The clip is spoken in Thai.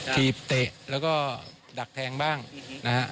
กลีบเตะแล้วก็ดักแทงบ้างนะครับ